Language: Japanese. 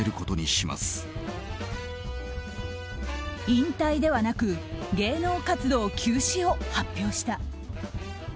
引退ではなく芸能活動休止を発表した。